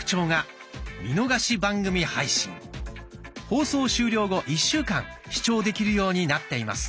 放送終了後１週間視聴できるようになっています。